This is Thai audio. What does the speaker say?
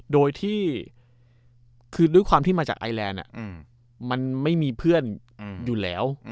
โดยที่คือด้วยความที่มาจากไอแลนด์มันไม่มีเพื่อนอยู่แล้ว